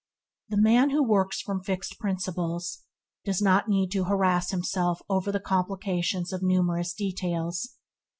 The man who works from fixed principles does not need to harass himself over the complications of numerous details.